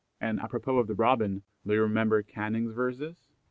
And apropos of the Robin, do you remember Canning's verses?